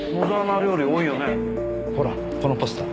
ほらこのポスター。